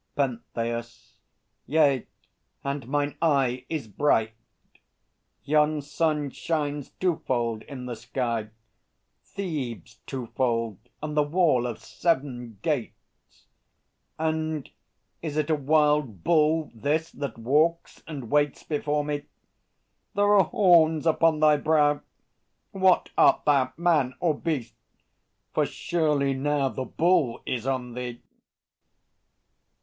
PENTHEUS. Yea; and mine eye Is bright! Yon sun shines twofold in the sky, Thebes twofold and the Wall of Seven Gates. ... And is it a Wild Bull this, that walks and waits Before me? There are horns upon thy brow! What art thou, man or beast? For surely now The Bull is on thee!